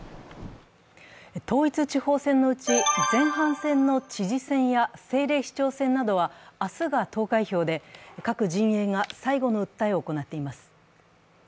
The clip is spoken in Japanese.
統一地方選のうち前半戦の知事選や政令市長選などは明日が投開票で、各陣営が最後の訴えを行っています。